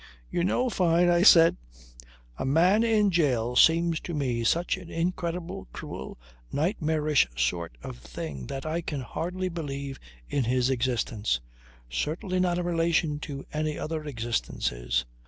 "You know, Fyne," I said, "a man in jail seems to me such an incredible, cruel, nightmarish sort of thing that I can hardly believe in his existence. Certainly not in relation to any other existences."